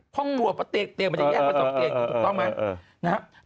พ่อมัวเพราะเตงมันจะแยกมาต่อเตงถูกต้องไหม